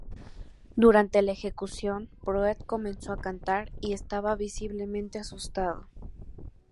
Durante la ejecución, Pruett comenzó a cantar y estaba visiblemente asustado.